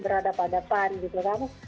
berada pada depan gitu kan